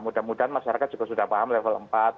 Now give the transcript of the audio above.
mudah mudahan masyarakat juga sudah paham level empat